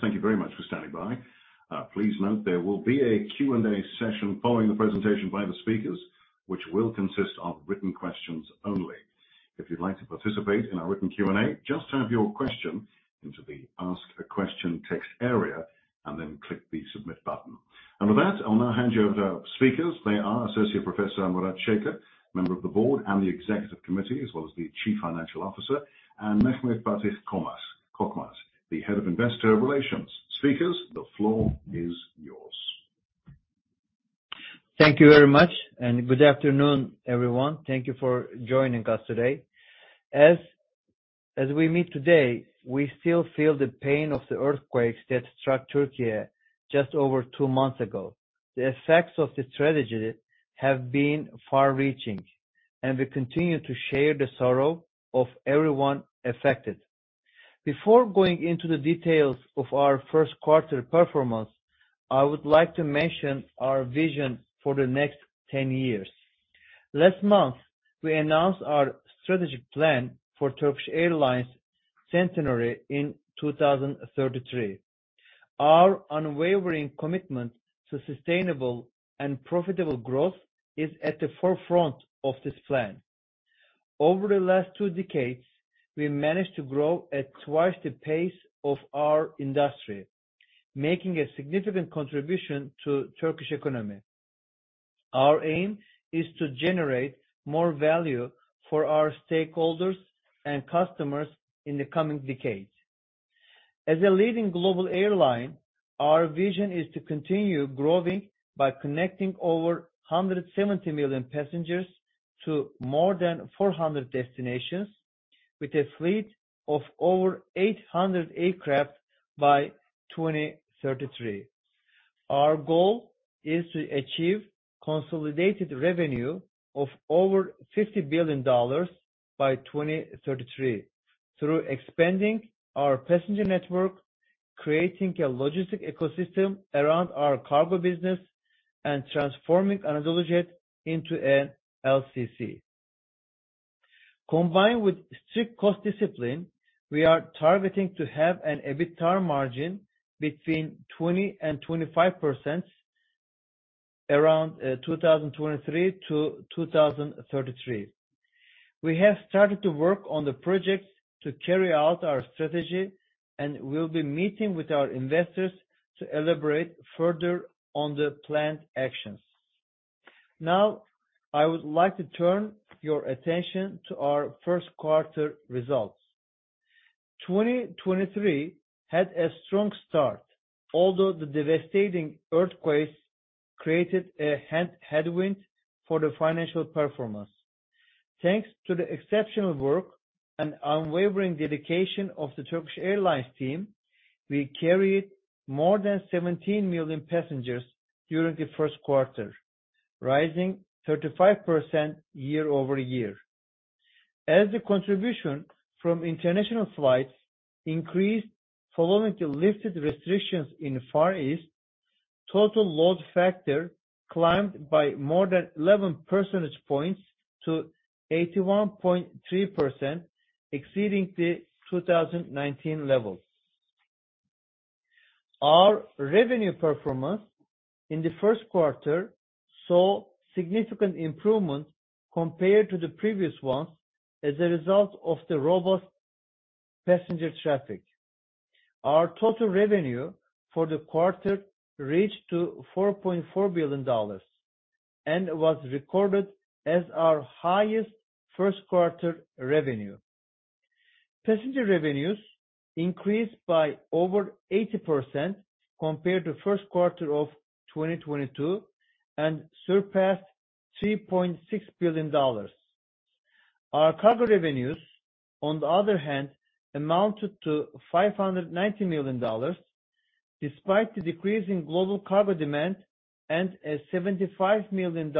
Thank you very much for standing by. Please note there will be a Q&A session following the presentation by the speakers, which will consist of written questions only. If you'd like to participate in our written Q&A, just type your question into the Ask a Question text area and then click the Submit button. With that, I'll now hand you over to our speakers. They are Associate Professor Murat Şeker, Member of the Board and the Executive Committee, as well as the Chief Financial Officer, and Mehmet Fatih Korkmaz, the Head of Investor Relations. Speakers, the floor is yours. Thank you very much. Good afternoon, everyone. Thank you for joining us today. As we meet today, we still feel the pain of the earthquakes that struck Türkiye just over 2 months ago. The effects of this tragedy have been far-reaching. We continue to share the sorrow of everyone affected. Before going into the details of our Q1 performance, I would like to mention our vision for the next 10 years. Last month, we announced our strategic plan for Turkish Airlines centenary in 2033. Our unwavering commitment to sustainable and profitable growth is at the forefront of this plan. Over the last 2 decades, we managed to grow at twice the pace of our industry, making a significant contribution to Turkish economy. Our aim is to generate more value for our stakeholders and customers in the coming decades. As a leading global airline, our vision is to continue growing by connecting over 170 million passengers to more than 400 destinations with a fleet of over 800 aircraft by 2033. Our goal is to achieve consolidated revenue of over $50 billion by 2033 through expanding our passenger network, creating a logistic ecosystem around our cargo business, and transforming AnadoluJet into an LCC. Combined with strict cost discipline, we are targeting to have an EBITDA margin between 20%-25% around 2023-2033. We have started to work on the projects to carry out our strategy, and we'll be meeting with our investors to elaborate further on the planned actions. Now, I would like to turn your attention to our Q1 results. 2023 had a strong start, although the devastating earthquakes created a headwind for the financial performance. Thanks to the exceptional work and unwavering dedication of the Turkish Airlines team, we carried more than 17 million passengers during the Q1, rising 35% year-over-year. As the contribution from international flights increased following the lifted restrictions in Far East, total load factor climbed by more than 11 percentage points to 81.3%, exceeding the 2019 levels. Our revenue performance in the Q1 saw significant improvement compared to the previous ones as a result of the robust passenger traffic. Our total revenue for the quarter reached to $4.4 billion and was recorded as our highest Q1 revenue. Passenger revenues increased by over 80% compared to Q1 of 2022 and surpassed $3.6 billion. Our cargo revenues, on the other hand, amounted to $590 million, despite the decrease in global cargo demand and a $75 million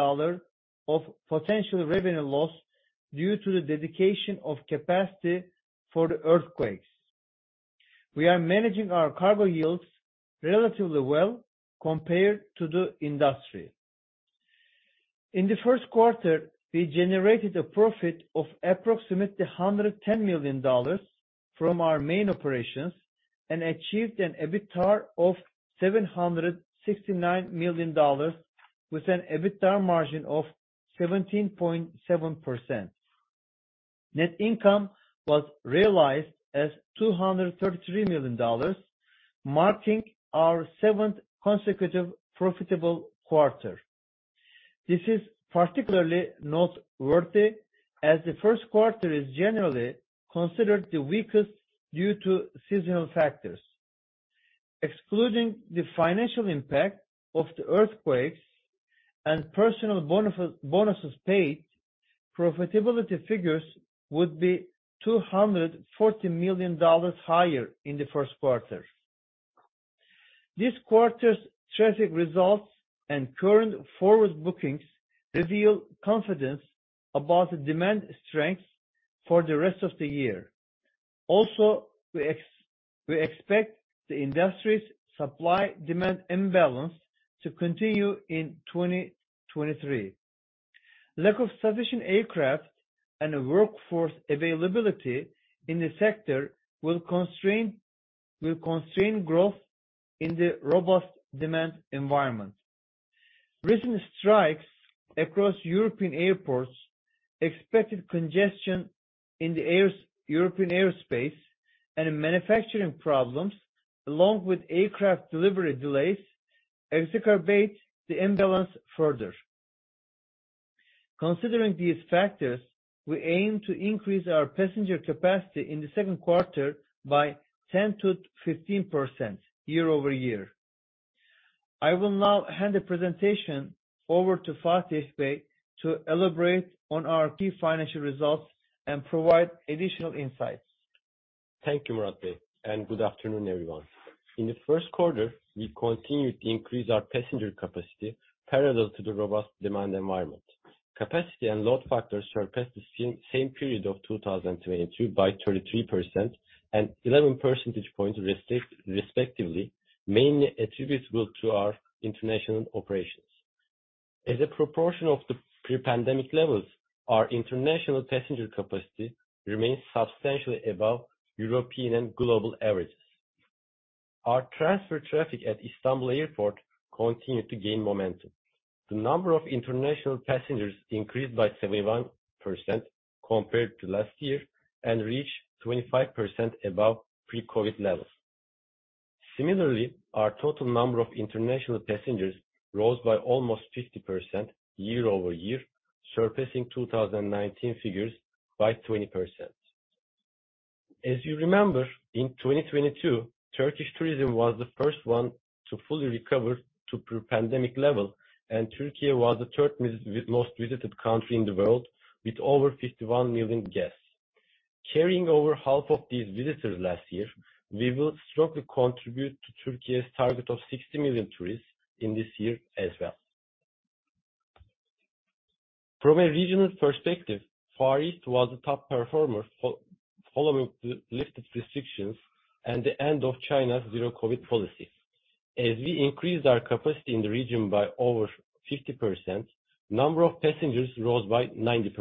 of potential revenue loss due to the dedication of capacity for the earthquakes. We are managing our cargo yields relatively well compared to the industry. In the Q1, we generated a profit of approximately $110 million from our main operations and achieved an EBITDA of $769 million with an EBITDA margin of 17.7%. Net income was realized as $233 million, marking our seventh consecutive profitable quarter. This is particularly noteworthy as the Q1 is generally considered the weakest due to seasonal factors. Excluding the financial impact of the earthquakes and personal bonuses paid, profitability figures would be $240 million higher in the Q1. This quarter's traffic results and current forward bookings reveal confidence about the demand strength for the rest of the year. Also, we expect the industry's supply-demand imbalance to continue in 2023. Lack of sufficient aircraft and workforce availability in the sector will constrain growth in the robust demand environment. Recent strikes across European airports, expected congestion in the European airspace, and manufacturing problems, along with aircraft delivery delays, exacerbate the imbalance further. Considering these factors, we aim to increase our passenger capacity in the Q2 by 10%-15% year-over-year. I will now hand the presentation over to Fatih Bey to elaborate on our key financial results and provide additional insights. Thank you, Murat Bey. Good afternoon, everyone. In the Q1, we continued to increase our passenger capacity parallel to the robust demand environment. Capacity and load factors surpassed the same period of 2022 by 33% and 11 percentage points respectively, mainly attributable to our international operations. As a proportion of the pre-pandemic levels, our international passenger capacity remains substantially above European and global averages. Our transfer traffic at Istanbul Airport continued to gain momentum. The number of international passengers increased by 71% compared to last year and reached 25% above pre-COVID levels. Similarly, our total number of international passengers rose by almost 50% year-over-year, surpassing 2019 figures by 20%. As you remember, in 2022, Turkish tourism was the first one to fully recover to pre-pandemic level, and Turkey was the third most visited country in the world with over 51 million guests. Carrying over half of these visitors last year, we will strongly contribute to Turkey's target of 60 million tourists in this year as well. From a regional perspective, Far East was the top performer following the lifted restrictions and the end of China's Zero-COVID policy. As we increased our capacity in the region by over 50%, number of passengers rose by 90%.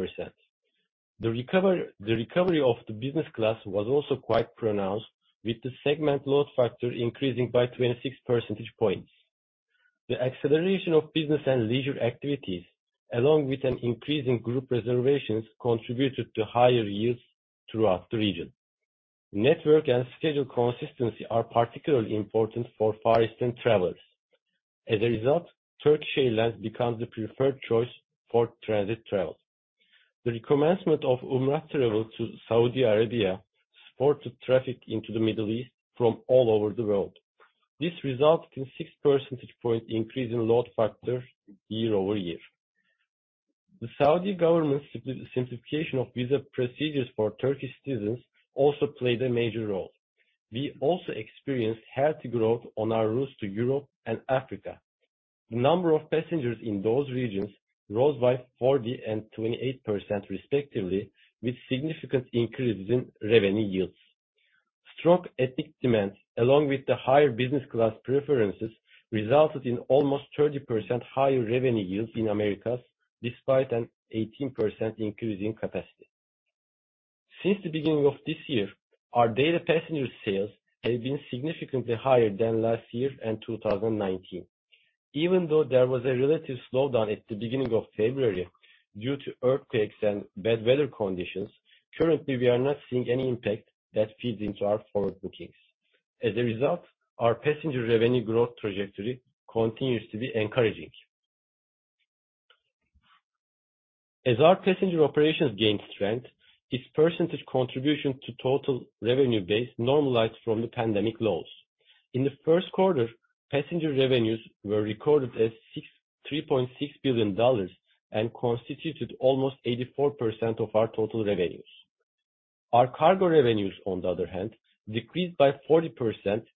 The recovery of the business class was also quite pronounced, with the segment load factor increasing by 26 percentage points. The acceleration of business and leisure activities, along with an increase in group reservations, contributed to higher yields throughout the region. Network and schedule consistency are particularly important for Far Eastern travelers. Turkish Airlines becomes the preferred choice for transit travel. The commencement of Umrah travel to Saudi Arabia supported traffic into the Middle East from all over the world. This resulted in 6 percentage point increase in load factor year-over-year. The Saudi government's simplification of visa procedures for Turkish citizens also played a major role. We also experienced healthy growth on our routes to Europe and Africa. The number of passengers in those regions rose by 40% and 28%, respectively, with significant increases in revenue yields. Strong ethnic demand, along with the higher business class preferences, resulted in almost 30% higher revenue yields in Americas despite an 18% increase in capacity. Since the beginning of this year, our daily passenger sales have been significantly higher than last year and 2019. Even though there was a relative slowdown at the beginning of February due to earthquakes and bad weather conditions, currently, we are not seeing any impact that feeds into our forward bookings. As a result, our passenger revenue growth trajectory continues to be encouraging. As our passenger operations gain strength, its percentage contribution to total revenue base normalized from the pandemic lows. In the Q1, passenger revenues were recorded as $3.6 billion and constituted almost 84% of our total revenues. Our cargo revenues, on the other hand, decreased by 40%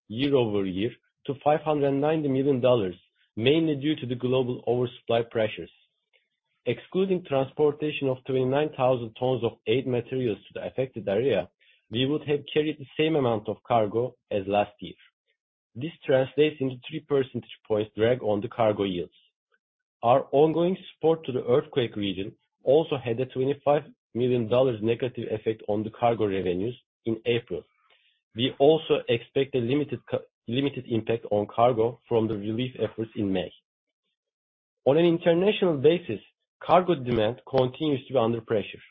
year-over-year to $590 million, mainly due to the global oversupply pressures. Excluding transportation of 29,000 tons of aid materials to the affected area, we would have carried the same amount of cargo as last year. This translates into 3 percentage points drag on the cargo yields. Our ongoing support to the earthquake region also had a $25 million negative effect on the cargo revenues in April. We also expect a limited impact on cargo from the relief efforts in May. On an international basis, cargo demand continues to be under pressure.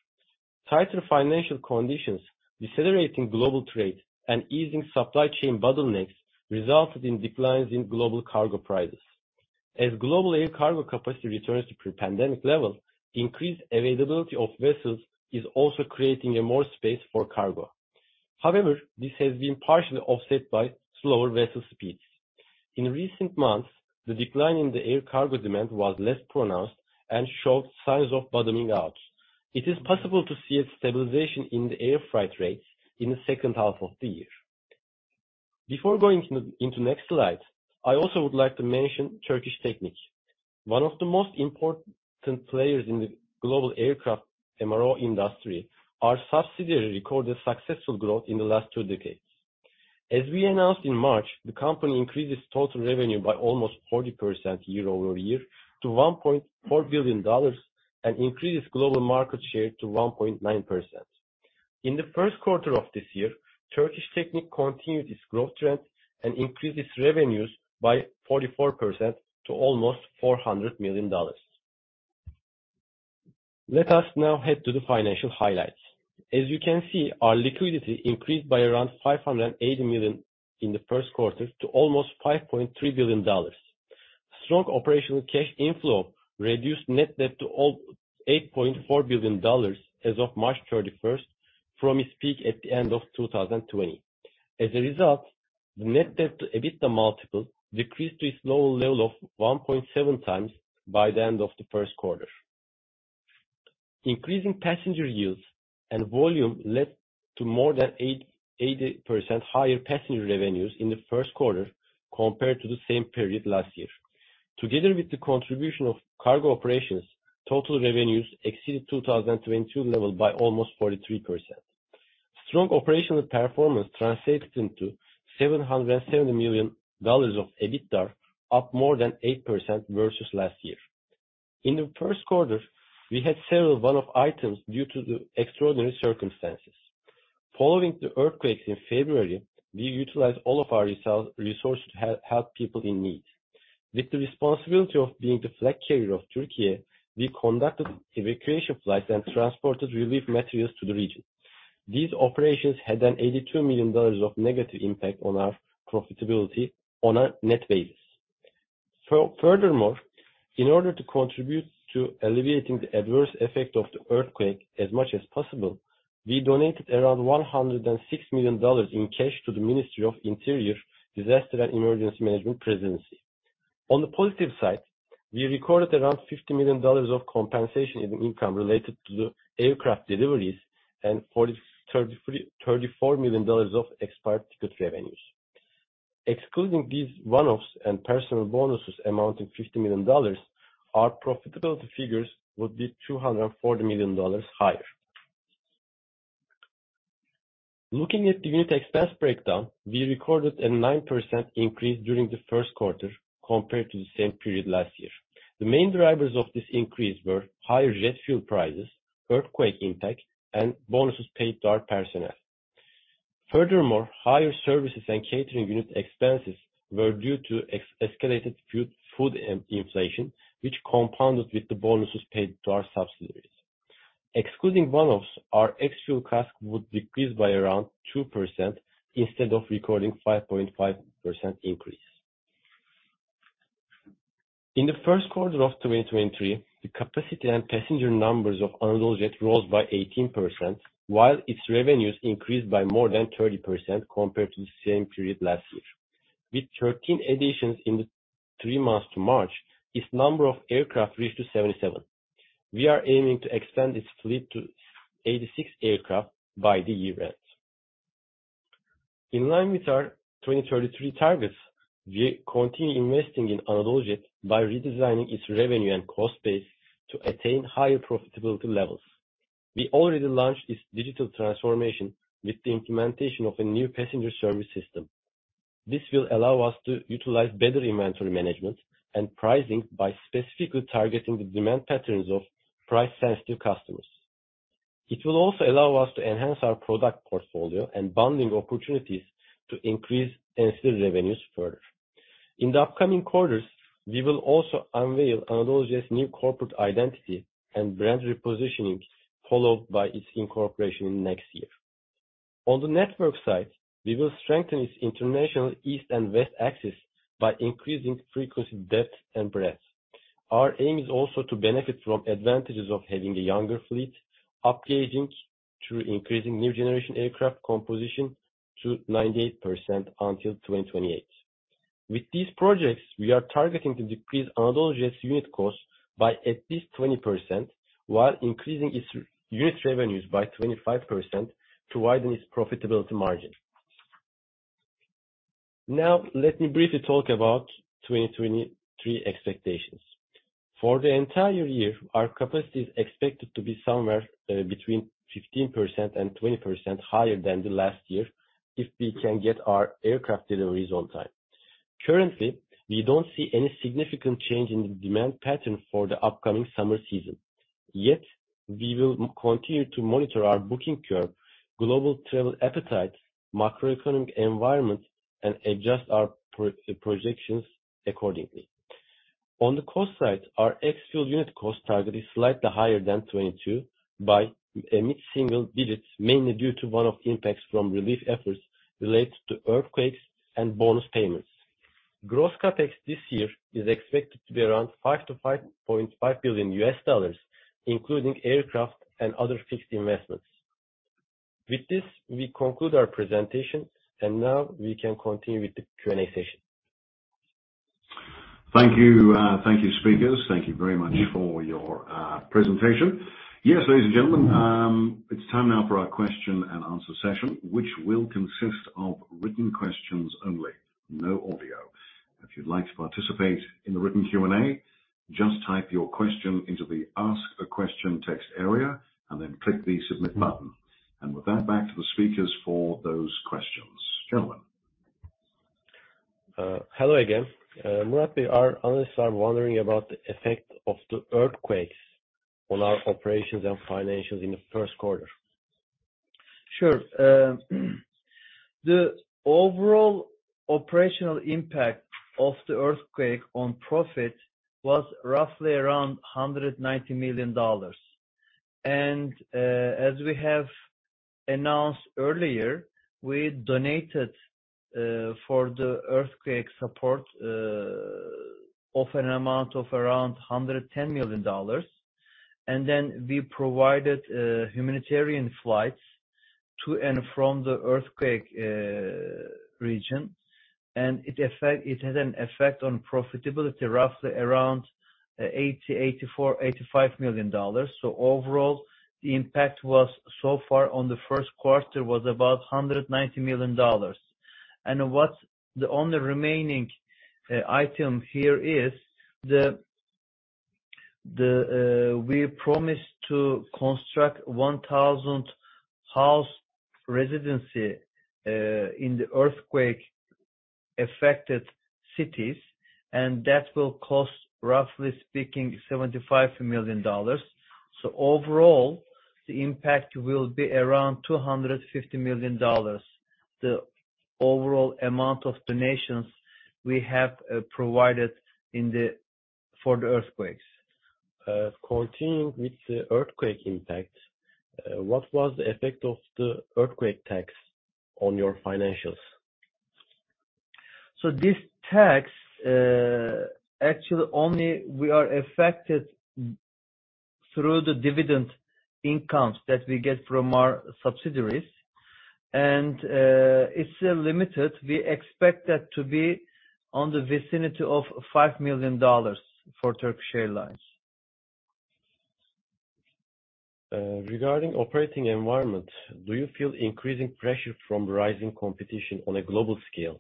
Tighter financial conditions, decelerating global trade, and easing supply chain bottlenecks resulted in declines in global cargo prices. As global air cargo capacity returns to pre-pandemic levels, increased availability of vessels is also creating a more space for cargo. However, this has been partially offset by slower vessel speeds. In recent months, the decline in the air cargo demand was less pronounced and showed signs of bottoming out. It is possible to see a stabilization in the air freight rates in the second half of the year. Before going into next slide, I also would like to mention Turkish Technic. One of the most important players in the global aircraft MRO industry, our subsidiary recorded successful growth in the last two decades. As we announced in March, the company increased its total revenue by almost 40% year-over-year to $1.4 billion, and increased global market share to 1.9%. In the Q1 of this year, Turkish Technic continued its growth trend and increased its revenues by 44% to almost $400 million. Let us now head to the financial highlights. As you can see, our liquidity increased by around $580 million in the Q1 to almost $5.3 billion. Strong operational cash inflow reduced net debt to $8.4 billion as of March 31st, from its peak at the end of 2020. As a result, the net debt to EBITDA multiple decreased to its lower level of 1.7 times by the end of the Q1. Increasing passenger yields and volume led to more than 80% higher passenger revenues in the Q1 compared to the same period last year. Together with the contribution of cargo operations, total revenues exceeded 2022 level by almost 43%. Strong operational performance translates into $770 million of EBITDA, up more than 8% versus last year. In the Q1, we had several one-off items due to the extraordinary circumstances. Following the earthquakes in February, we utilized all of our resources to help people in need. With the responsibility of being the flag carrier of Turkey, we conducted evacuation flights and transported relief materials to the region. These operations had an $82 million of negative impact on our profitability on a net basis. Furthermore, in order to contribute to alleviating the adverse effect of the earthquake as much as possible, we donated around $106 million in cash to the Ministry of Interior Disaster and Emergency Management Presidency. On the positive side, we recorded around $50 million of compensation in income related to the aircraft deliveries and $34 million of expired ticket revenues. Excluding these one-offs and personal bonuses amounting $50 million, our profitability figures would be $240 million higher. Looking at the unit expense breakdown, we recorded a 9% increase during the Q1 compared to the same period last year. The main drivers of this increase were higher jet fuel prices, earthquake impact, and bonuses paid to our personnel. Furthermore, higher services and catering unit expenses were due to escalated food inflation, which compounded with the bonuses paid to our subsidiaries. Excluding one-offs, our actual cost would decrease by around 2% instead of recording 5.5% increase. In the Q1 of 2023, the capacity and passenger numbers of AnadoluJet rose by 18%, while its revenues increased by more than 30% compared to the same period last year. With 13 additions in the 3 months to March, its number of aircraft reached to 77. We are aiming to expand its fleet to 86 aircraft by the year end. In line with our 2033 targets, we continue investing in AnadoluJet by redesigning its revenue and cost base to attain higher profitability levels. We already launched its digital transformation with the implementation of a new passenger service system. This will allow us to utilize better inventory management and pricing by specifically targeting the demand patterns of price-sensitive customers. It will also allow us to enhance our product portfolio and bundling opportunities to increase ancillary revenues further. In the upcoming quarters, we will also unveil AnadoluJet's new corporate identity and brand repositioning, followed by its incorporation next year. On the network side, we will strengthen its international east and west axis by increasing frequency, depth and breadth. Our aim is also to benefit from advantages of having a younger fleet, upgauging through increasing new generation aircraft composition to 98% until 2028. With these projects, we are targeting to decrease AnadoluJet's unit cost by at least 20% while increasing its unit revenues by 25% to widen its profitability margin. Now let me briefly talk about 2023 expectations. For the entire year, our capacity is expected to be somewhere between 15% and 20% higher than the last year if we can get our aircraft deliveries on time. Currently, we don't see any significant change in the demand pattern for the upcoming summer season. Yet, we will continue to monitor our booking curve, global travel appetite, macroeconomic environment, and adjust our projections accordingly. On the cost side, our ex-fuel unit cost target is slightly higher than 22 by a mid-single digits, mainly due to one-off impacts from relief efforts related to earthquakes and bonus payments. Gross CapEx this year is expected to be around $5 billion-$5.5 billion, including aircraft and other fixed investments. With this, we conclude our presentation and now we can continue with the Q&A session. Thank you. Thank you, speakers. Thank you very much for your presentation. Yes, ladies and gentlemen, it's time now for our question and answer session, which will consist of written questions only, no audio. If you'd like to participate in the written Q&A, just type your question into the Ask a Question text area and then click the Submit button. With that, back to the speakers for those questions. Gentlemen. Hello again. Murat, analysts are wondering about the effect of the earthquakes on our operations and financials in the Q1. Sure. The overall operational impact of the earthquake on profit was roughly around $190 million. As we have announced earlier, we donated for the earthquake support of an amount of around $110 million. We provided humanitarian flights to and from the earthquake region. It had an effect on profitability, roughly around $80 million, $84 million, $85 million. Overall, the impact was so far on the Q1 was about $190 million. What's the only remaining item here is the we promised to construct 1,000 house residency in the earthquake-affected cities, and that will cost, roughly speaking, $75 million. Overall, the impact will be around $250 million, the overall amount of donations we have provided for the earthquakes. Continuing with the earthquake impact, what was the effect of the earthquake tax on your financials? This tax, actually only we are affected through the dividend incomes that we get from our subsidiaries. It's limited. We expect that to be on the vicinity of $5 million for Turkish Airlines. Regarding operating environment, do you feel increasing pressure from rising competition on a global scale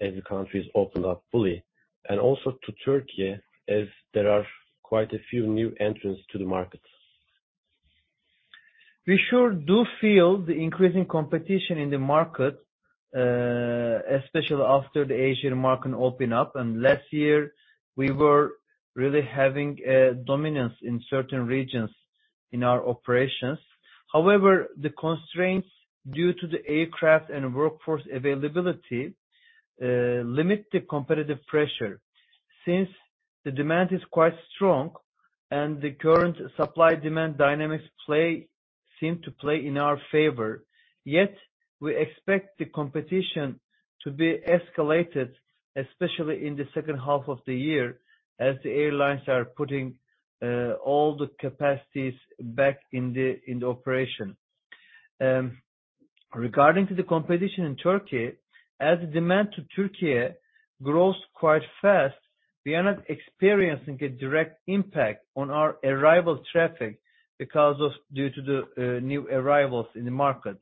as the countries open up fully and also to Turkey, as there are quite a few new entrants to the market? We sure do feel the increasing competition in the market, especially after the Asian market open up. Last year, we were really having a dominance in certain regions in our operations. However, the constraints due to the aircraft and workforce availability limit the competitive pressure since the demand is quite strong and the current supply-demand dynamics seem to play in our favor. Yet, we expect the competition to be escalated, especially in the second half of the year as the airlines are putting all the capacities back in the operation. Regarding to the competition in Turkey, as demand to Turkey grows quite fast, we are not experiencing a direct impact on our arrival traffic due to the new arrivals in the market.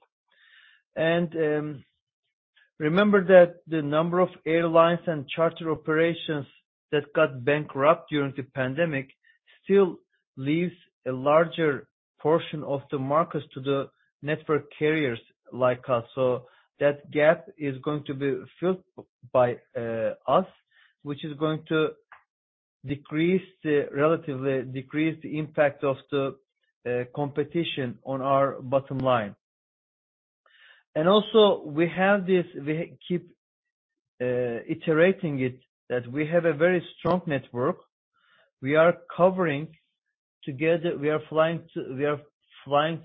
Remember that the number of airlines and charter operations that got bankrupt during the pandemic still leaves a larger portion of the markets to the network carriers like us. That gap is going to be filled by us, which is going to relatively decrease the impact of the competition on our bottom line. We keep iterating it, that we have a very strong network. We are covering together. We are flying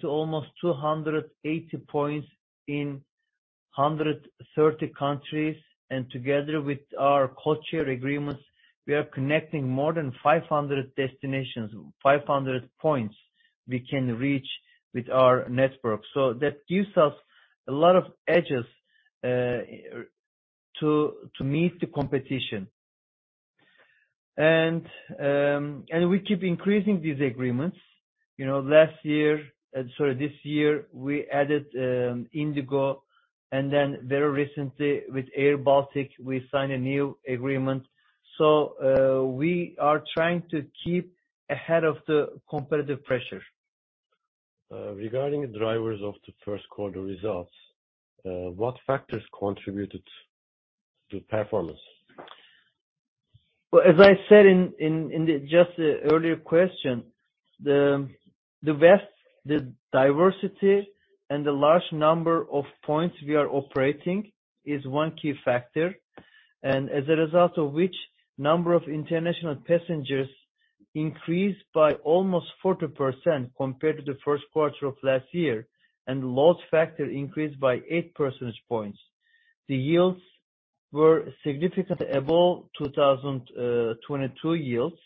to almost 280 points in 130 countries. Together with our codeshare agreements, we are connecting more than 500 destinations. 500 points we can reach with our network. That gives us a lot of edges to meet the competition. We keep increasing these agreements. You know, last year, sorry, this year we added, IndiGo, and then very recently with airBaltic, we signed a new agreement. We are trying to keep ahead of the competitive pressure. Regarding the drivers of the Q1 results, what factors contributed to the performance? Well, as I said in the earlier question, the diversity and the large number of points we are operating is one key factor. As a result of which number of international passengers increased by almost 40% compared to the Q1 of last year, and load factor increased by 8 percentage points. The yields were significantly above 2022 yields.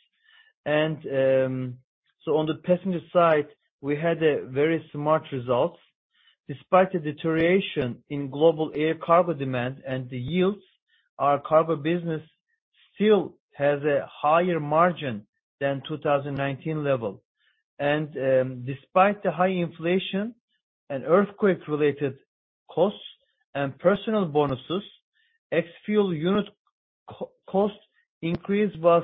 On the passenger side, we had a very smart results. Despite the deterioration in global air cargo demand and the yields, our cargo business still has a higher margin than 2019 level. Despite the high inflation and earthquake-related costs and personal bonuses, ex-fuel unit cost increase was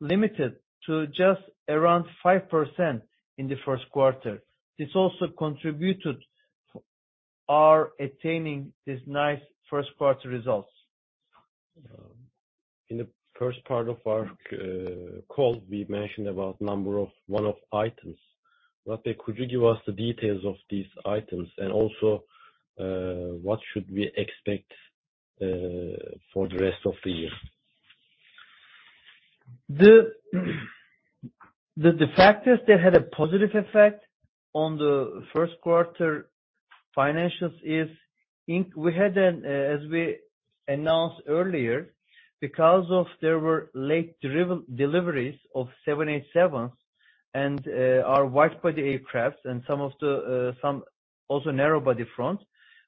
limited to just around 5% in the Q1. This also contributed our attaining this nice Q1 results. In the first part of our call, we mentioned about number of one-off items. Could you give us the details of these items? Also, what should we expect for the rest of the year? The factors that had a positive effect on the Q1 financials is we had an, as we announced earlier, because of there were late deliveries of 787s and our wide-body aircraft and some of the some also narrow-body front,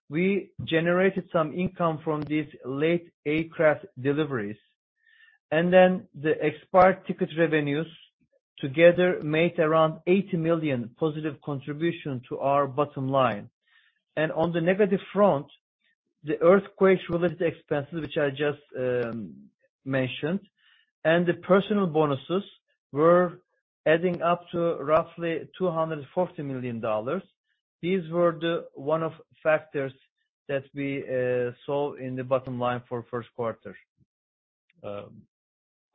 we generated some income from these late aircraft deliveries. The expired ticket revenues together made around $80 million positive contribution to our bottom line. On the negative front, the earthquake-related expenses, which I just mentioned, and the personal bonuses were adding up to roughly $240 million. These were the one-off factors that we saw in the bottom line for Q1.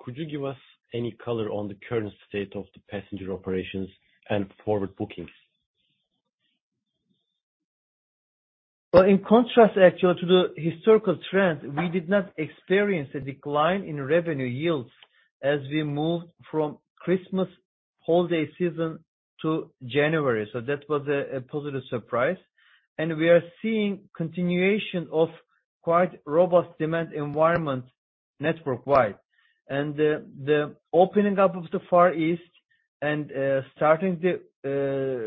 Could you give us any color on the current state of the passenger operations and forward bookings? In contrast actually to the historical trend, we did not experience a decline in revenue yields as we moved from Christmas holiday season to January. That was a positive surprise. We are seeing continuation of quite robust demand environment network-wide. The opening up of the Far East and starting the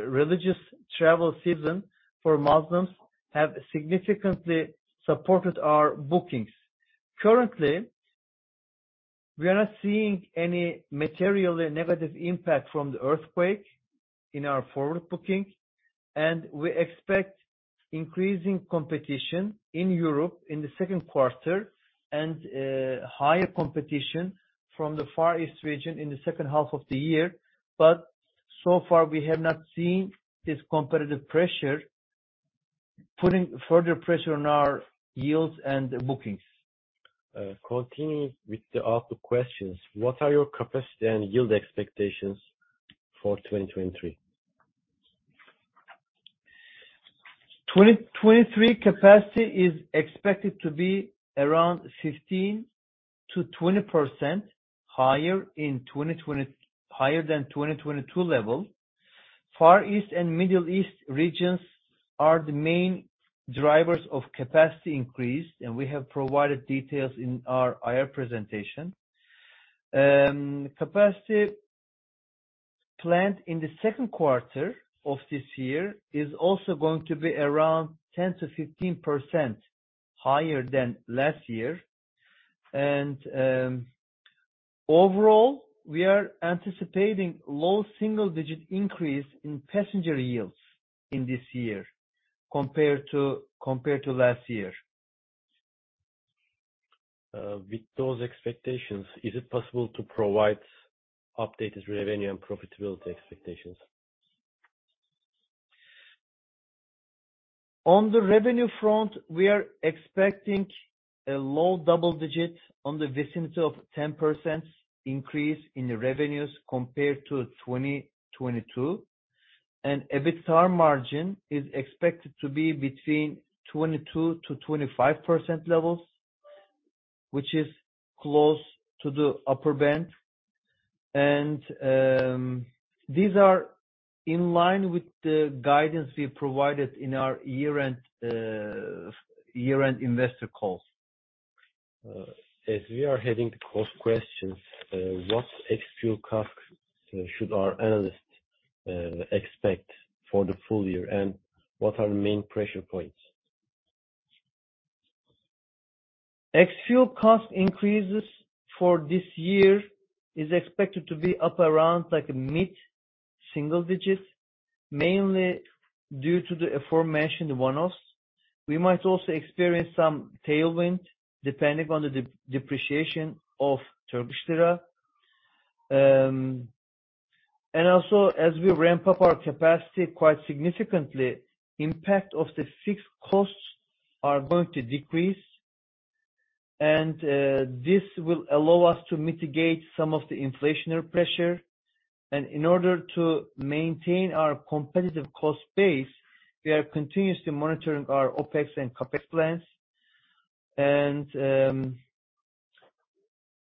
religious travel season for Muslims have significantly supported our bookings. Currently, we are not seeing any materially negative impact from the earthquake in our forward booking, and we expect increasing competition in Europe in the Q2 and higher competition from the Far East region in the second half of the year. So far, we have not seen this competitive pressure putting further pressure on our yields and bookings. Continuing with the output questions, what are your capacity and yield expectations for 2023? 2023 capacity is expected to be around 15%-20% higher than 2022 level. Far East and Middle East regions are the main drivers of capacity increase, and we have provided details in our IR presentation. Capacity planned in the Q2 of this year is also going to be around 10%-15% higher than last year. Overall, we are anticipating low single-digit increase in passenger yields in this year compared to last year. With those expectations, is it possible to provide updated revenue and profitability expectations? On the revenue front, we are expecting a low double digit on the vicinity of 10% increase in the revenues compared to 2022. EBITDA margin is expected to be between 22%-25% levels, which is close to the upper band. These are in line with the guidance we provided in our year-end investor calls. As we are heading to cost questions, what ex-fuel costs should our analysts expect for the full year, and what are the main pressure points? Ex-fuel cost increases for this year is expected to be up around like mid-single digits, mainly due to the aforementioned one-offs. Also as we ramp up our capacity quite significantly, impact of the fixed costs are going to decrease, and this will allow us to mitigate some of the inflationary pressure. In order to maintain our competitive cost base, we are continuously monitoring our OpEx and CapEx plans.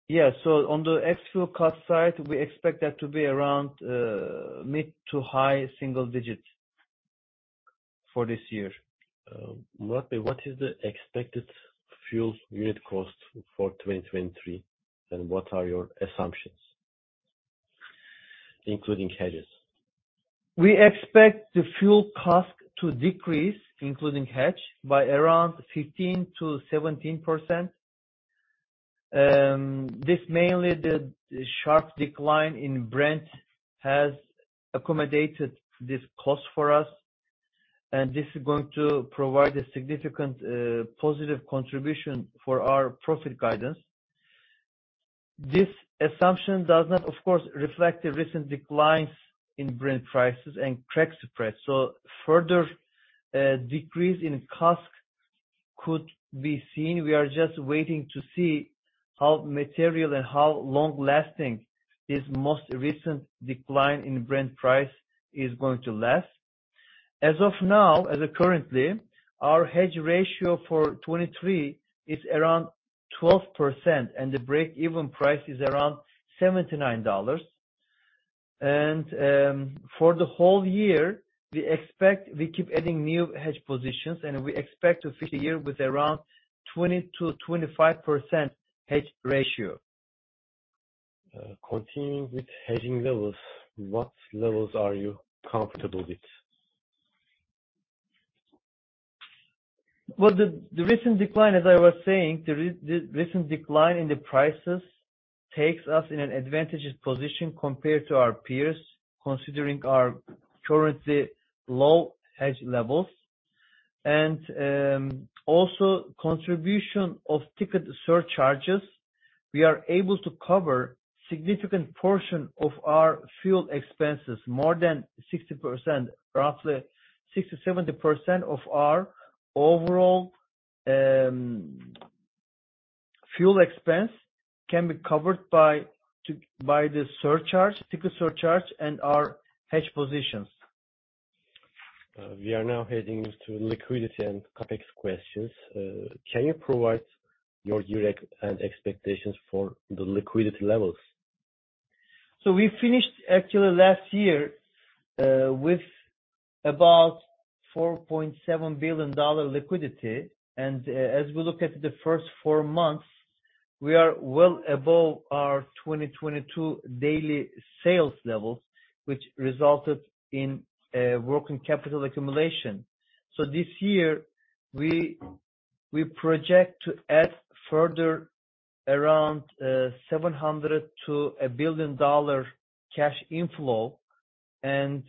Yeah, on the ex-fuel cost side, we expect that to be around mid to high single digits for this year. What is the expected fuel unit cost for 2023, and what are your assumptions? Including hedges. We expect the fuel cost to decrease, including hedge, by around 15%-17%. This mainly the sharp decline in Brent has accommodated this cost for us, and this is going to provide a significant positive contribution for our profit guidance. This assumption does not, of course, reflect the recent declines in Brent prices and crack spread. Further decrease in cost could be seen. We are just waiting to see how material and how long-lasting this most recent decline in Brent price is going to last. As of now, as of currently, our hedge ratio for 2023 is around 12%, and the break-even price is around $79. For the whole year, we expect we keep adding new hedge positions, and we expect to finish the year with around 20%-25% hedge ratio. Continuing with hedging levels, what levels are you comfortable with? Well, the recent decline, as I was saying, the recent decline in the prices takes us in an advantageous position compared to our peers, considering our currently low hedge levels. Also contribution of ticket surcharges, we are able to cover significant portion of our fuel expenses, more than 60%. Roughly 60%-70% of our overall fuel expense can be covered by the surcharge, ticket surcharge and our hedge positions. We are now heading to liquidity and CapEx questions. Can you provide your year-end expectations for the liquidity levels? we finished actually last year with about $4.7 billion liquidity. as we look at the first four months, we are well above our 2022 daily sales levels, which resulted in working capital accumulation. this year we project to add further around $700 million-$1 billion cash inflow and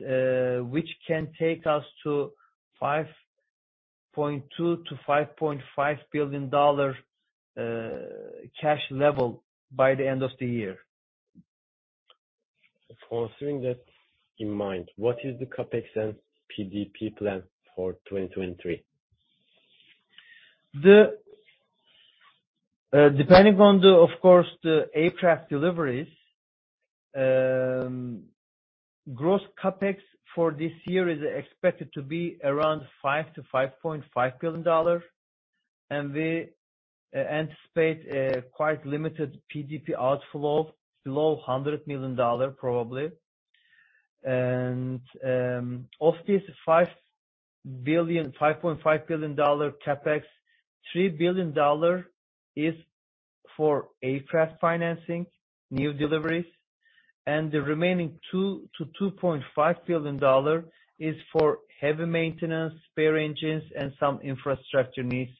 which can take us to $5.2 billion-$5.5 billion cash level by the end of the year. Considering that in mind, what is the CapEx and PDP plan for 2023? Depending on the, of course, the aircraft deliveries, gross CapEx for this year is expected to be around $5 billion-$5.5 billion. We anticipate a quite limited PDP outflow below $100 million probably. Of this $5 billion, $5.5 billion CapEx, $3 billion is for aircraft financing, new deliveries, and the remaining $2 billion-$2.5 billion is for heavy maintenance, spare engines, and some infrastructure needs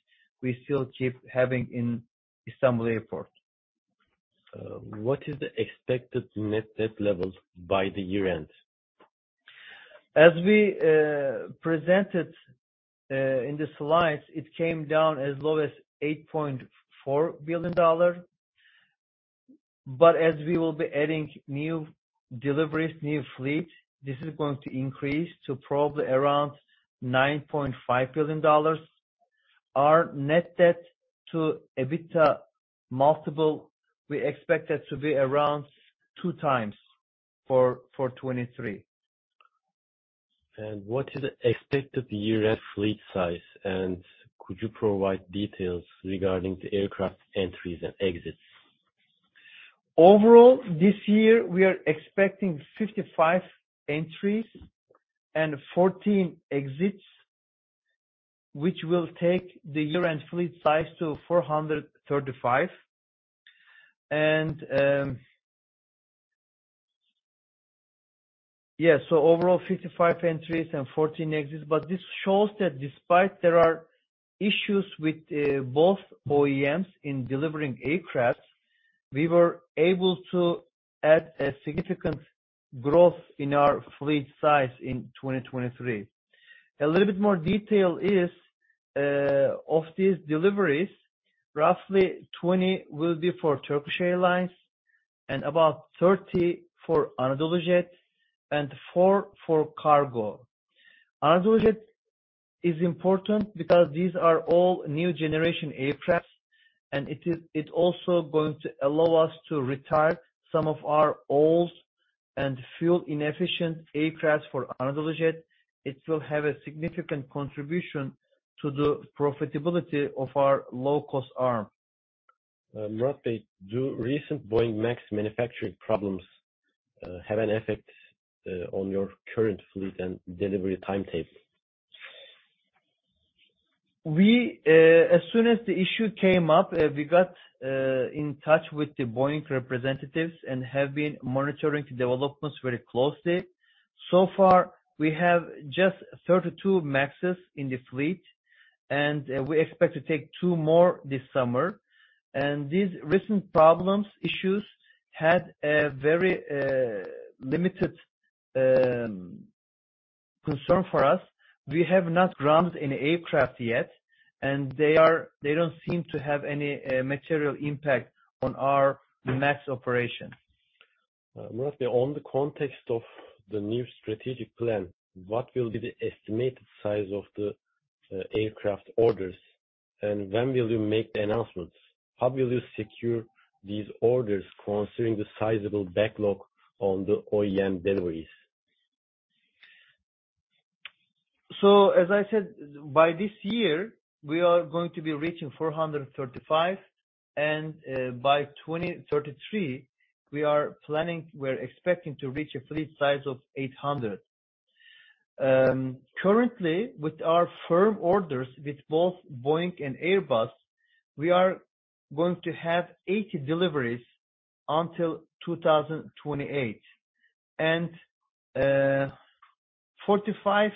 we still keep having in Istanbul Airport. What is the expected net debt levels by the year-end? As we presented in the slides, it came down as low as $8.4 billion dollar. As we will be adding new deliveries, new fleet, this is going to increase to probably around $9.5 billion dollars. Our net debt to EBITDA multiple, we expect that to be around 2 times for 2023. What is expected year-end fleet size? Could you provide details regarding the aircraft entries and exits? Overall, this year we are expecting 55 entries and 14 exits, which will take the year-end fleet size to 435. Overall 55 entries and 14 exits. This shows that despite there are issues with both OEMs in delivering aircraft, we were able to add a significant growth in our fleet size in 2023. A little bit more detail is of these deliveries, roughly 20 will be for Turkish Airlines and about 30 for AnadoluJet and 4 for cargo. AnadoluJet is important because these are all new generation aircraft, and it also going to allow us to retire some of our old and fuel-inefficient aircraft for AnadoluJet. It will have a significant contribution to the profitability of our low-cost arm. Murat Bey, do recent Boeing MAX manufacturing problems have an effect on your current fleet and delivery timetable? We, as soon as the issue came up, we got in touch with the Boeing representatives and have been monitoring the developments very closely. So far, we have just 32 MAXes in the fleet, we expect to take two more this summer. These recent problems, issues had a very limited concern for us. We have not ground any aircraft yet, and they don't seem to have any material impact on our MAX operation. Murat, on the context of the new strategic plan, what will be the estimated size of the aircraft orders, and when will you make the announcements? How will you secure these orders considering the sizable backlog on the OEM deliveries? As I said, by this year, we are going to be reaching 435, by 2033, we're expecting to reach a fleet size of 800. Currently, with our firm orders with both Boeing and Airbus, we are going to have 80 deliveries until 2028. 45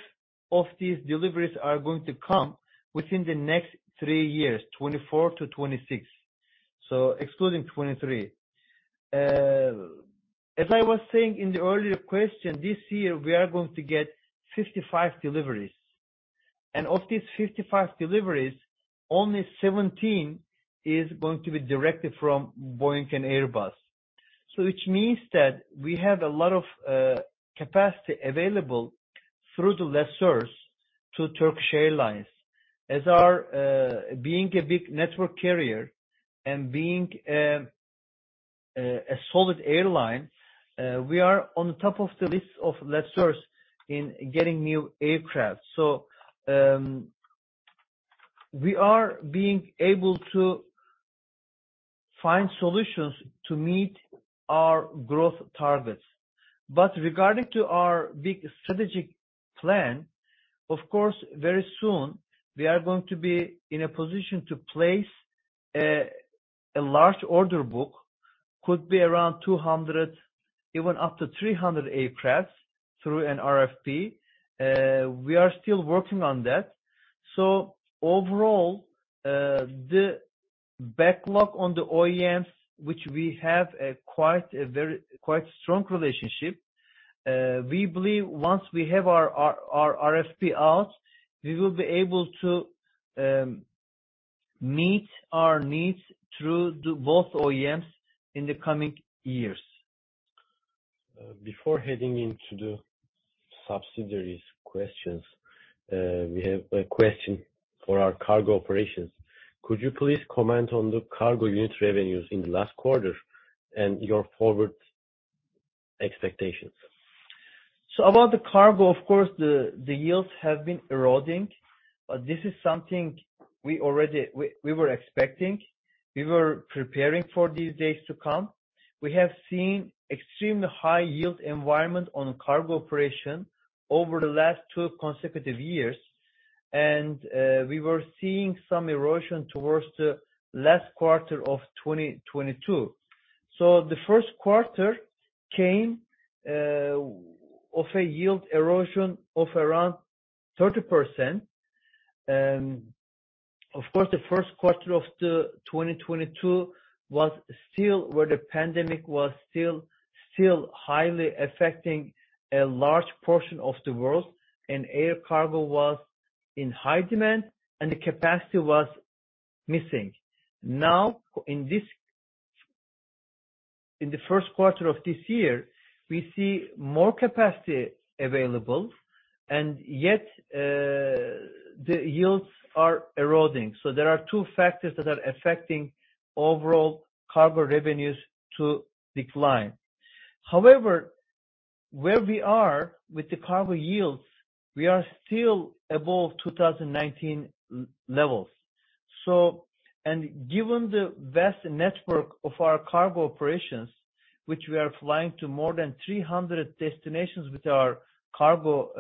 of these deliveries are going to come within the next three years, 2024-2026, so excluding 2023. As I was saying in the earlier question, this year we are going to get 55 deliveries. Of these 55 deliveries, only 17 is going to be directly from Boeing and Airbus. Which means that we have a lot of capacity available through the lessors to Turkish Airlines. As our being a big network carrier and being a solid airline, we are on top of the list of lessors in getting new aircraft. We are being able to find solutions to meet our growth targets. Regarding to our big strategic plan, of course, very soon we are going to be in a position to place a large order book, could be around 200, even up to 300 aircraft through an RFP. We are still working on that. Overall, the backlog on the OEMs, which we have a quite strong relationship, we believe once we have our RFP out, we will be able to meet our needs through the both OEMs in the coming years. Before heading into the subsidiaries questions, we have a question for our cargo operations. Could you please comment on the cargo unit revenues in the last quarter and your forward expectations? About the cargo, of course, the yields have been eroding. This is something we were expecting. We were preparing for these days to come. We have seen extremely high yield environment on cargo operation over the last two consecutive years, and we were seeing some erosion towards the last quarter of 2022. The Q1 came of a yield erosion of around 30%. Of course, the Q1 of the 2022 was still where the pandemic was still highly affecting a large portion of the world, and air cargo was in high demand, and the capacity was missing. In the Q1 of this year, we see more capacity available, and yet the yields are eroding. There are two factors that are affecting overall cargo revenues to decline. Where we are with the cargo yields, we are still above 2019 levels. Given the vast network of our cargo operations, which we are flying to more than 300 destinations with our cargo,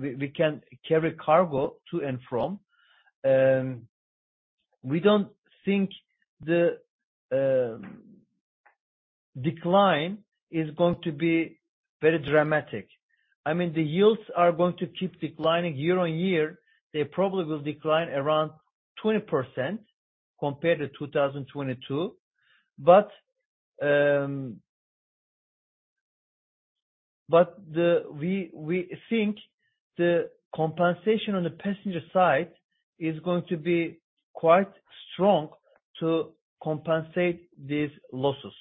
we can carry cargo to and from, we don't think the decline is going to be very dramatic. I mean, the yields are going to keep declining year-on-year. They probably will decline around 20% compared to 2022. We think the compensation on the passenger side is going to be quite strong to compensate these losses.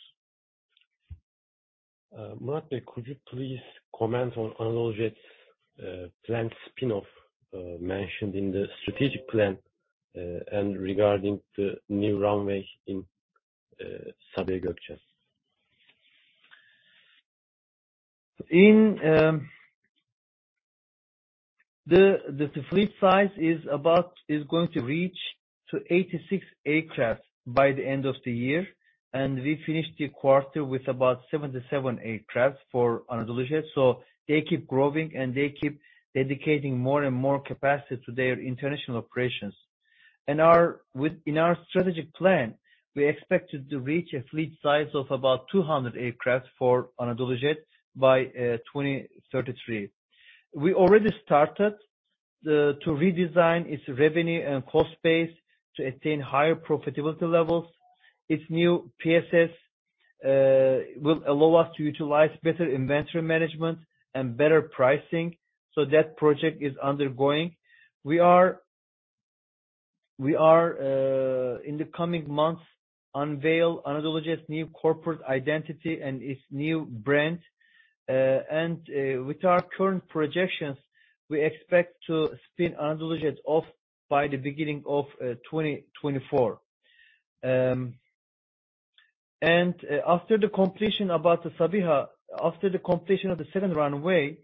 Murat, could you please comment on AnadoluJet's planned spin-off, mentioned in the strategic plan, and regarding the new runway in Sabiha Gökçen? In the fleet size is going to reach 86 aircraft by the end of the year, and we finished the quarter with about 77 aircraft for AnadoluJet. They keep growing, and they keep dedicating more and more capacity to their international operations. In our strategic plan, we expect to reach a fleet size of about 200 aircraft for AnadoluJet by 2033. We already started to redesign its revenue and cost base to attain higher profitability levels. Its new PSS will allow us to utilize better inventory management and better pricing. That project is undergoing. We are in the coming months, unveil AnadoluJet's new corporate identity and its new brand. With our current projections, we expect to spin AnadoluJet off by the beginning of 2024. After the completion about the Sabiha, after the completion of the second runway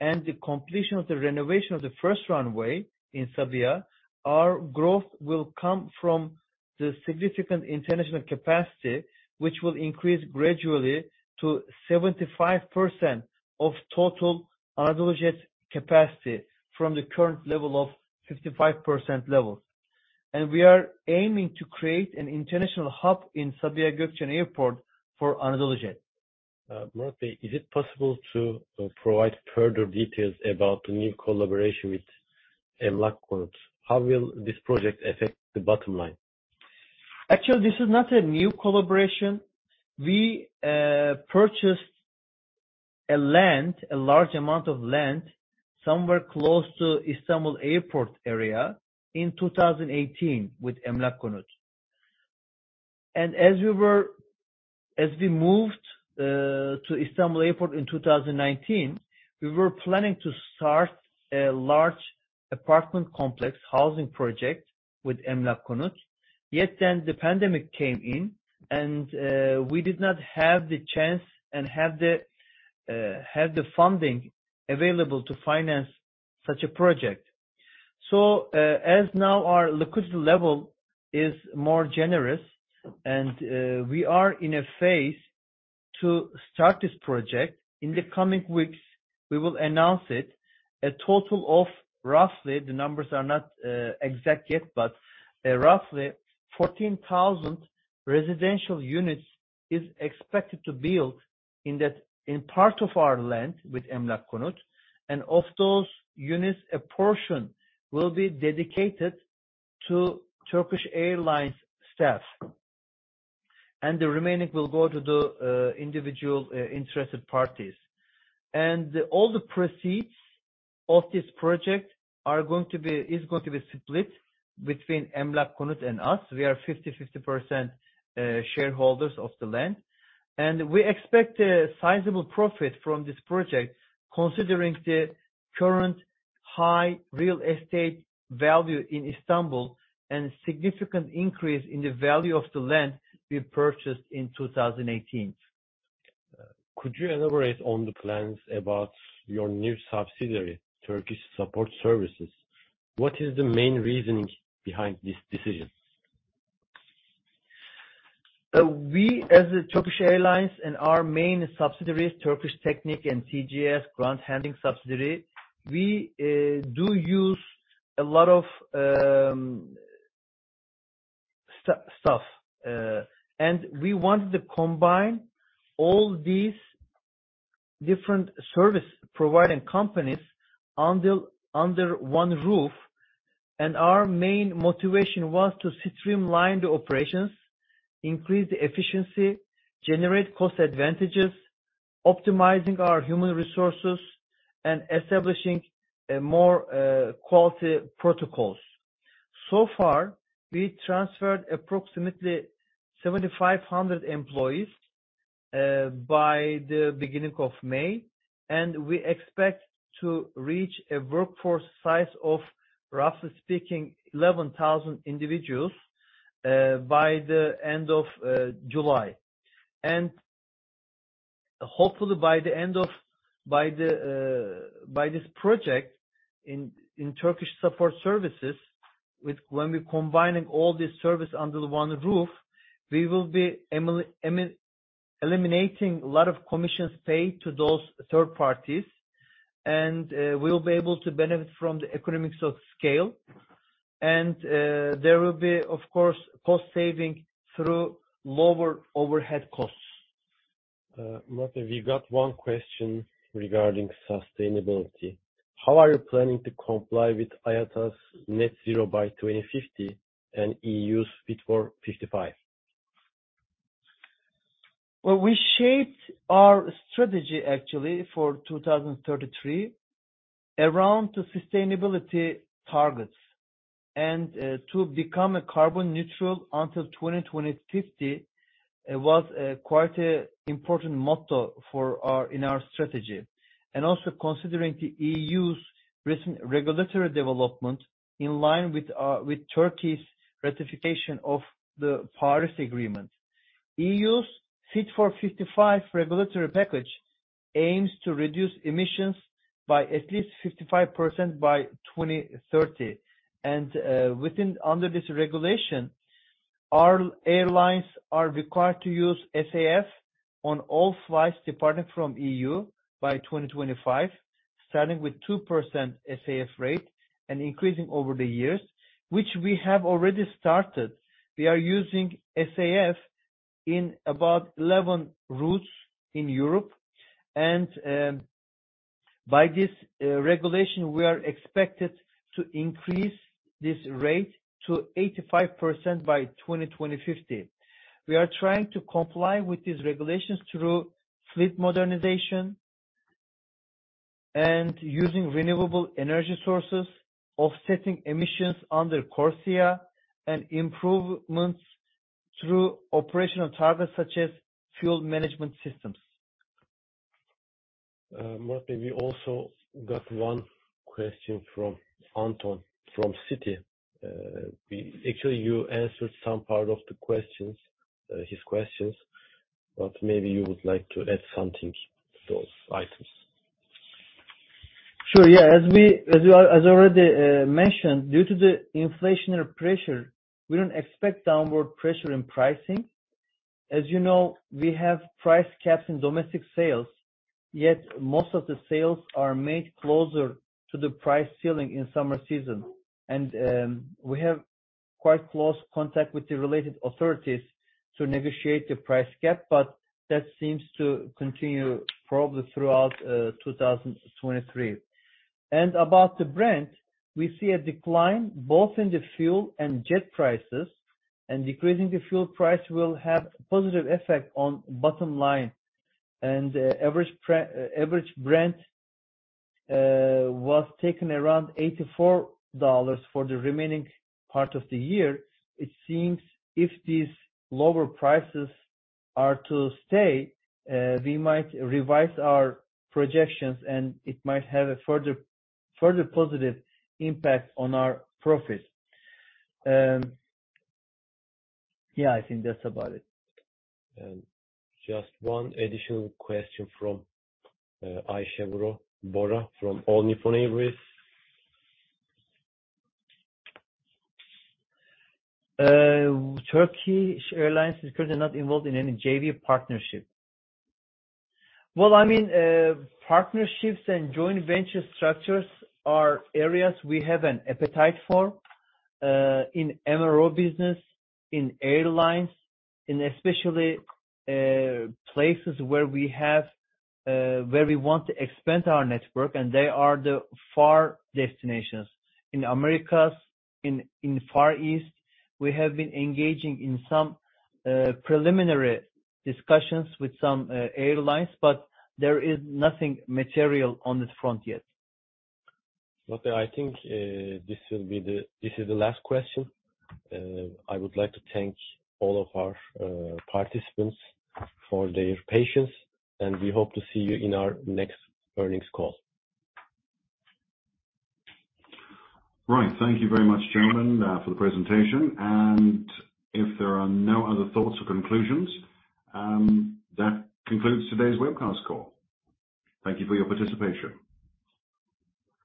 and the completion of the renovation of the first runway in Sabiha, our growth will come from the significant international capacity, which will increase gradually to 75% of total AnadoluJet capacity from the current level of 55% level. We are aiming to create an international hub in Sabiha Gokcen Airport for AnadoluJet. Murat, is it possible to provide further details about the new collaboration with Emlak Konut? How will this project affect the bottom line? Actually, this is not a new collaboration. We purchased a land, a large amount of land, somewhere close to Istanbul Airport area in 2018 with Emlak Konut. As we moved to Istanbul Airport in 2019, we were planning to start a large apartment complex housing project with Emlak Konut. The pandemic came in, we did not have the chance and have the funding available to finance such a project. As now our liquidity level is more generous, we are in a phase to start this project. In the coming weeks, we will announce it. A total of roughly, the numbers are not exact yet, but roughly 14,000 residential units is expected to build in that, in part of our land with Emlak Konut. Of those units, a portion will be dedicated to Turkish Airlines staff, and the remaining will go to the individual interested parties. All the proceeds of this project is going to be split between Emlak Konut and us. We are 50-50% shareholders of the land. We expect a sizable profit from this project, considering the current high real estate value in Istanbul and significant increase in the value of the land we purchased in 2018. Could you elaborate on the plans about your new subsidiary, Turkish Support Services? What is the main reasoning behind this decision? We, as the Turkish Airlines and our main subsidiaries, Turkish Technic and TGS, ground handling subsidiary, we do use a lot of stuff, and we wanted to combine all these different service-providing companies under one roof. Our main motivation was to streamline the operations, increase the efficiency, generate cost advantages, optimizing our human resources, and establishing more quality protocols. So far, we transferred approximately 7,500 employees by the beginning of May, and we expect to reach a workforce size of, roughly speaking, 11,000 individuals by the end of July. Hopefully, by this project in Turkish Support Services, with when we combining all this service under one roof, we will be eliminating a lot of commissions paid to those third parties, we'll be able to benefit from the economics of scale. There will be, of course, cost saving through lower overhead costs. Murat, we got one question regarding sustainability. How are you planning to comply with IATA's net zero by 2050 and EU's Fit for 55? Well, we shaped our strategy actually for 2033 around the sustainability targets. to become a carbon neutral until 2050 was quite important motto for our, in our strategy. Also considering the EU's recent regulatory development in line with Turkey's ratification of the Paris Agreement. EU's Fit for 55 regulatory package aims to reduce emissions by at least 55% by 2030. under this regulation, our airlines are required to use SAF on all flights departing from EU by 2025, starting with 2% SAF rate and increasing over the years, which we have already started. We are using SAF in about 11 routes in Europe. by this regulation, we are expected to increase this rate to 85% by 2050. We are trying to comply with these regulations through fleet modernization and using renewable energy sources, offsetting emissions under CORSIA, and improvements through operational targets such as fuel management systems. Mert, we also got one question from Anton from Citi. Actually, you answered some part of the questions, his questions, but maybe you would like to add something to those items. Sure. Yeah. As already mentioned, due to the inflationary pressure, we don't expect downward pressure in pricing. As you know, we have price caps in domestic sales, yet most of the sales are made closer to the price ceiling in summer season. We have quite close contact with the related authorities to negotiate the price cap, but that seems to continue probably throughout 2023. About the Brent, we see a decline both in the fuel and jet prices, and decreasing the fuel price will have positive effect on bottom line. Average Brent was taken around $84 for the remaining part of the year. It seems if these lower prices are to stay, we might revise our projections, and it might have a further positive impact on our profits. Yeah, I think that's about it. Just one additional question from Aysegul Bora from Onyx for Neighboris. Turkish Airlines is currently not involved in any JV partnership. Well, I mean, partnerships and joint venture structures are areas we have an appetite for in MRO business, in airlines, in especially places where we have, where we want to expand our network, and they are the far destinations. In Americas, in Far East, we have been engaging in some preliminary discussions with some airlines, but there is nothing material on this front yet. Mert, I think, this is the last question. I would like to thank all of our participants for their patience, and we hope to see you in our next earnings call. Right. Thank you very much, Can, for the presentation. If there are no other thoughts or conclusions, that concludes today's webcast call. Thank you for your participation.